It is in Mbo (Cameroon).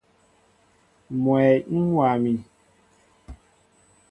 Mwɛy ń wa mi.